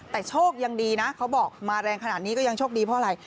แต่โชคยังดีนะเขาบอกมาแรงขนาดนี้ก็ยังโชคดีเพราะอะไร